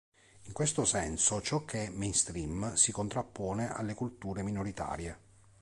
In questo senso ciò che è "mainstream" si contrappone alle culture minoritarie.